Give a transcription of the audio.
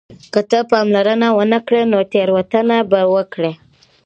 که ته پاملرنه ونه کړې نو تېروتنه به وکړې.